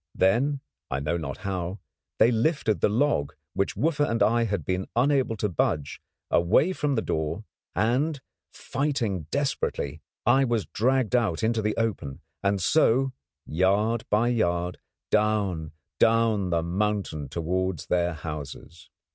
Then, I know not how, they lifted the log, which Wooffa and I had been unable to budge, away from the door, and, fighting desperately, I was dragged out into the open, and so, yard by yard, down, down the mountain towards their houses.